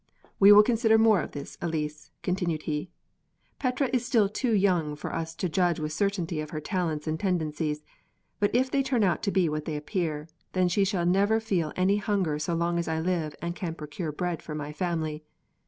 "We will consider more of this, Elise," continued he: "Petrea is still too young for us to judge with certainty of her talents and tendencies. But if they turn out to be what they appear, then she shall never feel any hunger as long as I live and can procure bread for my family.